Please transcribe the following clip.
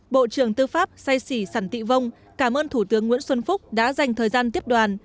bộ trưởng tư pháp say xỉ sản tị vông cảm ơn thủ tướng nguyễn xuân phúc đã dành thời gian tiếp đoàn